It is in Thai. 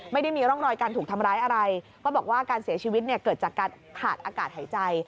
ไม่ได้มีร่องรอยการถูกทำร้ายอะไรก็บอกว่าการเสียชีวิตเนี่ยเกิดจากการขาดอากาศหายใจ